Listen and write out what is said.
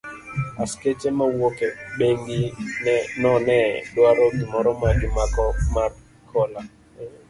Askeche mawuok e bengi no ne dwaro gimoro magimako mar hola.